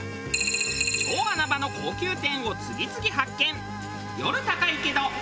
超穴場の高級店を次々発見！